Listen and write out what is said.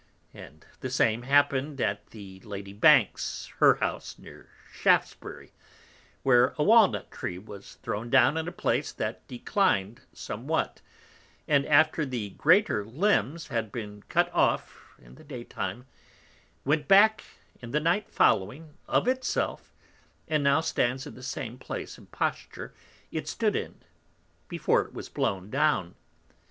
And the same happen'd at the Lady Banks her House near Shaftsbury, where a Wall nut Tree was thrown down in a place that declin'd somewhat, and after the greater Limbs had been cut off in the day time, went back in the Night following, of it self, and now stands in the same place and posture it stood in before it was blown down.